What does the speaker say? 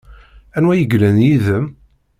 Anwa ay yellan yid-m?